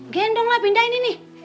gendong lah pindahin ini